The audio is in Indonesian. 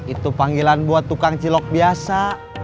itu panggilan buat tukang cilok biasa